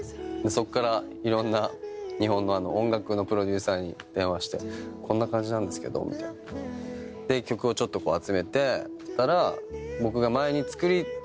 そこからいろんな日本の音楽のプロデューサーに電話して「こんな感じなんですけど」みたいな。で曲をちょっと集めてたら。